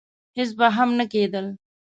هېڅ به هم نه کېدل.